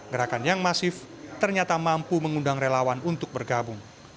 gerakan yang masif ternyata mampu mengundang relawan untuk bergabung